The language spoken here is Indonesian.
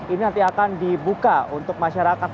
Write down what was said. ini nanti akan dibuka untuk masyarakat